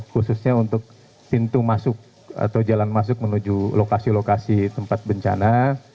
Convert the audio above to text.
khususnya untuk pintu masuk atau jalan masuk menuju lokasi lokasi tempat bencana